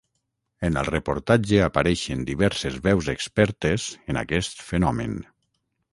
En el reportatge apareixen diverses veus expertes en aquest fenomen.